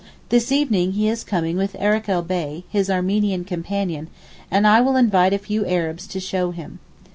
This evening he is coming with Arakel Bey, his Armenian companion, and I will invite a few Arabs to show him.